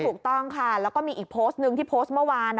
ถูกต้องค่ะแล้วก็มีอีกโพสต์หนึ่งที่โพสต์เมื่อวาน